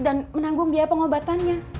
dan menanggung biaya pengobatannya